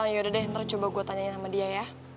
yaudah deh ntar gue tanyain sama dia ya